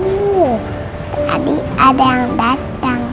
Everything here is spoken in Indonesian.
tapi ada yang datang